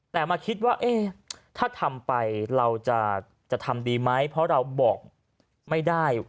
แต่มาคิดว่าถ้าทำไปเราจะทำดีไหมเพราะเราบอกไม่ได้